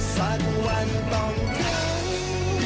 สักวันต้องถึง